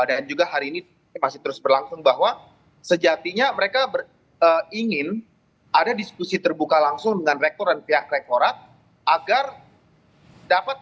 dan juga hari ini masih terus berlangsung bahwa sejatinya mereka ingin ada diskusi terbuka langsung dengan rektor dan pihak rekorat agar dapat mencari input input anggaran yang menurut saya ini